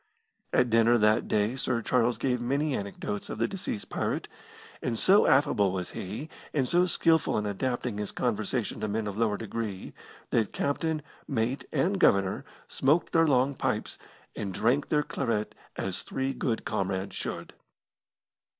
At dinner that day Sir Charles gave many anecdotes of the deceased pirate; and so affable was he, and so skilful in adapting his conversation to men of lower degree, that captain, mate, and Governor smoked their long pipes, and drank their claret as three good comrades should.